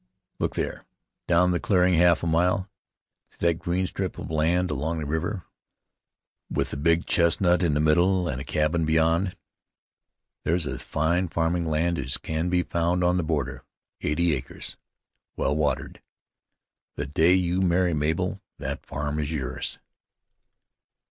"Look there, down the clearing half a mile. See that green strip of land along the river, with the big chestnut in the middle and a cabin beyond. There's as fine farming land as can be found on the border, eighty acres, well watered. The day you marry Mabel that farm is yours."